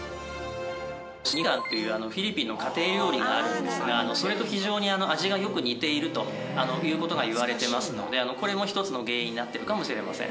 シニガンっていうフィリピンの家庭料理があるんですがそれと非常に味がよく似ているという事がいわれてますのでこれも一つの原因になってるかもしれません。